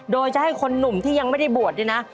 โดยจะให้คนหนุ่มที่ยังไม่ได้บวชเนี่ยนะ